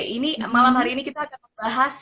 ini malam hari ini kita akan membahas